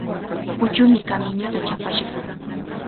Huchumi kamiñuta chapashqa.